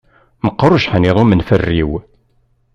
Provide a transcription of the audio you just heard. Meqqeṛ ujeḥniḍ umenferriw.